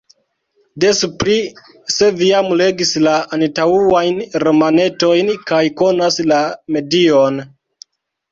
Des pli, se vi jam legis la antaŭajn romanetojn kaj konas la medion!